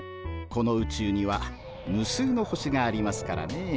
この宇宙には無数の星がありますからねえ。